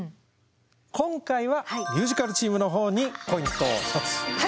今回はミュージカルチームの方にポイントを１つ差し上げましょう。